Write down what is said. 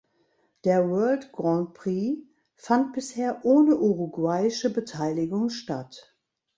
Der World Grand Prix fand bisher ohne uruguayische Beteiligung statt.